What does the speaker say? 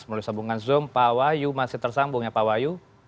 melalui sambungan zoom pak wahyu masih tersambung ya pak wahyu